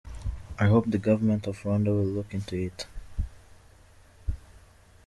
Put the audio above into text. I hope the government of Rwanda will look into it.